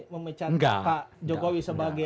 memecat pak jokowi sebagai